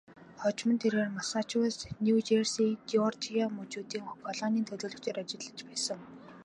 Хожим нь тэрээр Массачусетс, Нью Жерси, Жеоржия мужуудын колонийн төлөөлөгчөөр ажиллаж байсан.